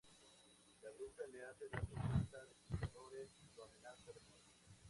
La Bruja le hace darse cuenta de sus errores y lo amenaza de muerte.